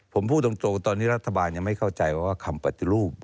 ผมพูดตรงตอนนี้รัฐบาลยังไม่เข้าใจว่าคำปฏิรูป